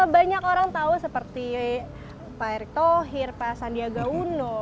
banyak orang tahu seperti pak erick thohir pak sandiaga uno